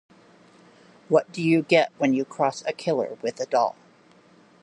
What do you get when you cross a killer with a doll?